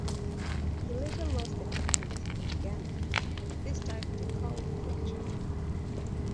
He later lost the captaincy again, this time to Carl Fletcher.